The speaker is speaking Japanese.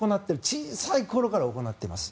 小さい頃から行っています。